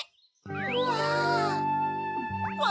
うわ。